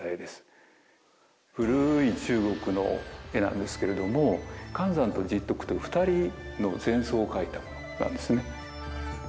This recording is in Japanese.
古い中国の絵なんですけれども寒山と拾得という２人の禅僧を描いた絵なんですね。